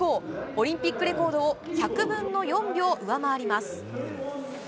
オリンピックレコードを１００分の４秒上回ります。